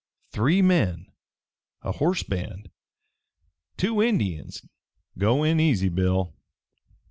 "Three men. A horse band. Two Indians. Go in easy, Bill."